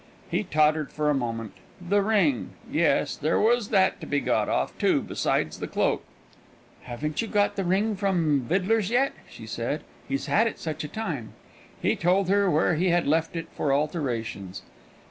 He tottered for a moment. The ring! Yes, there was that to be got off, too, besides the cloak. "Haven't you got the ring from Vidler's yet?" she said. "He's had it such a time." He had told her where he had left it for alterations.